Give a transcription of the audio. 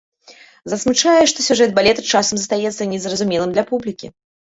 Засмучае, што сюжэт балета часам застаецца незразумелым для публікі.